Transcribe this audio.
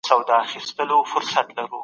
ستاسو ذهن به د منفي اغېزو پر وړاندي ویښ وي.